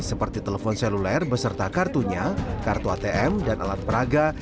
seperti telepon seluler beserta kartunya kartu atm dan alat peraga